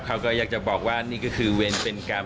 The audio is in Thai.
เขาก็อยากจะบอกว่านี่ก็คือเวรเป็นกรรม